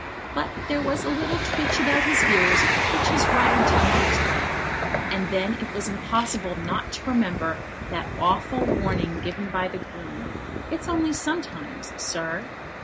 But there was a little twitch about his ears which his rider did not like, and then it was impossible not to remember that awful warning given by the groom, "It's only sometimes, sir."